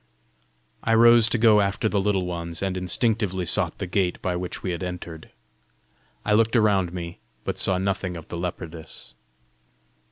I rose to go after the Little Ones, and instinctively sought the gate by which we had entered. I looked around me, but saw nothing of the leopardess.